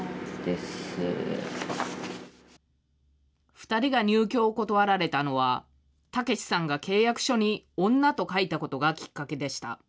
２人が入居を断られたのは、タケシさんが契約書に女と書いたことがきっかけでした。